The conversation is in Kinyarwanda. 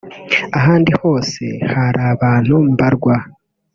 ahandi hose hari abantu mbarwa